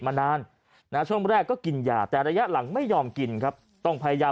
มานานนะช่วงแรกก็กินยาแต่ระยะหลังไม่ยอมกินครับต้องพยายาม